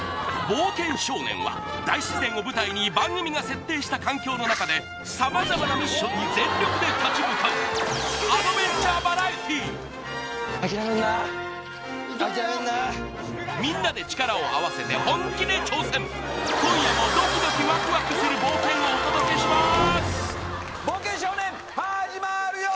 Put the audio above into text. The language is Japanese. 「冒険少年」は大自然を舞台に番組が設定した環境の中で様々なミッションに全力で立ち向かうみんなで力を合わせて本気で挑戦今夜もドキドキワクワクする冒険をお届けします